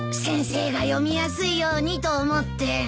先生が読みやすいようにと思って。